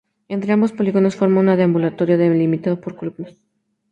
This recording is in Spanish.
Entre ambos polígonos se forma un deambulatorio, delimitado por columnas.